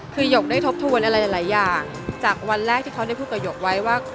คือหยกได้ทบทวนอะไรหลายอย่างจากวันแรกที่เขาได้พูดกับหยกไว้ว่า